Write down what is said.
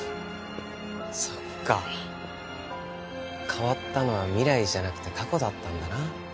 変わったのは未来じゃなくて過去だったんだな。